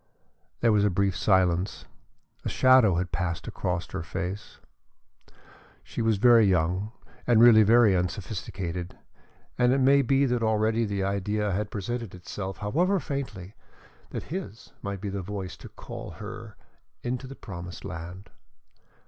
There was a brief silence. A shadow had passed across her face. She was very young and really very unsophisticated, and it may be that already the idea had presented itself, however faintly, that his might be the voice to call her into the promised land.